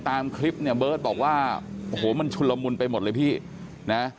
ตามคลิปเนี่ยเบิร์ตบอกว่าโอ้โหมันชุนละมุนไปหมดเลยพี่นะ